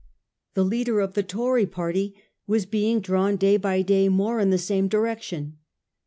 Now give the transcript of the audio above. The leader of the Tory party was being drawn day by day more in the same direction.